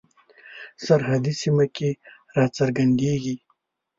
سرحدي سیمه کې را څرګندیږي.